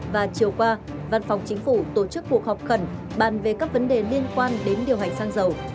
và chiều qua văn phòng chính phủ tổ chức cuộc họp khẩn bàn về các vấn đề liên quan đến điều hành xăng dầu